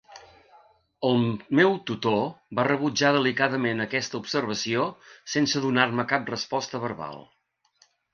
El meu tutor va rebutjar delicadament aquesta observació sense donar-me cap resposta verbal.